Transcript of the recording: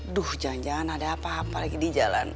duh jangan jangan ada apa apa lagi di jalan